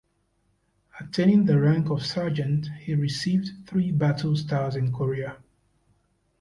Attaining the rank of sergeant, he received three battle stars in Korea.